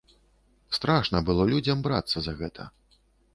Страшна было людзям брацца за гэта.